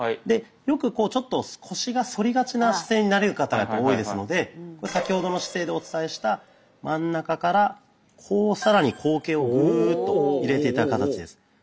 でよくこうちょっと腰が反りがちな姿勢になる方が多いですので先ほどの姿勢でお伝えした真ん中からこう更に後傾をグッと入れて頂く形です。